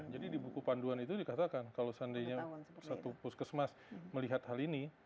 jadi di buku panduan itu dikatakan kalau seandainya satu puskes mas melihat hal ini